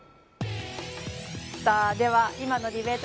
さあでは今のディベート対決